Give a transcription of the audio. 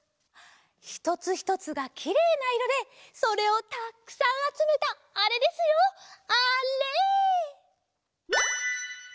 ひとつひとつがきれいないろでそれをたっくさんあつめたあれですよあれ！